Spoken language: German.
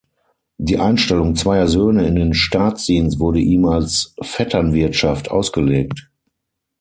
Die Einstellung zweier Söhne in den Staatsdienst wurde ihm als Vetternwirtschaft ausgelegt.